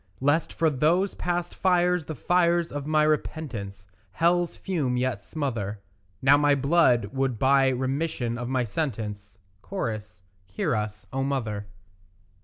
Lest for those past fires the fires of my repentance Hell's fume yet smother, Now my blood would buy remission of my sentence; (Cho.) Hear us, O mother.